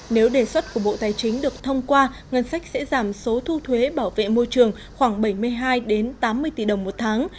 nếu đề xuất của bộ tài chính được thông qua ngân sách sẽ giảm số thu thuế bảo vệ môi trường khoảng bảy mươi hai tám mươi tỷ đồng một tháng